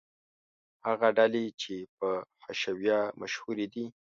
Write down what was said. هغه ډلې چې په حشویه مشهورې دي.